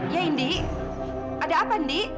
ya ndi ada apa ndi